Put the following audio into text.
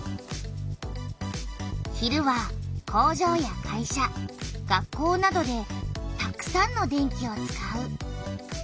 昼は工場や会社学校などでたくさんの電気を使う。